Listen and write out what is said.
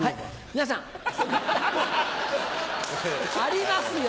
皆さん。ありますよ